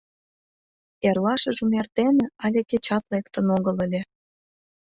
Эрлашыжым эрдене але кечат лектын огыл ыле.